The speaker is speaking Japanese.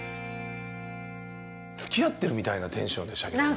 付き合ってるみたいなテンションでしたけどね。